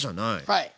はい。